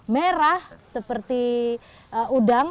merah seperti udang